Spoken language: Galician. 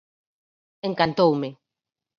Encantoume.